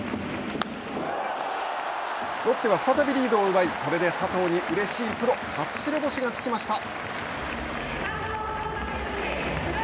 ロッテは再びリードを奪いこれで佐藤にうれしいプロ初白星がつきました。